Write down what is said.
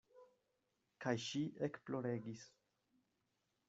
Kaj ŝi ekploregis.